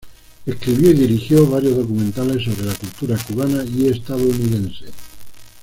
Escribió y dirigió varios documentales sobre la cultura cubana y estadounidense.